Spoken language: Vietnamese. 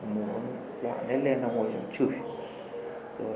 muốn loạn nét lên xong rồi cháu chửi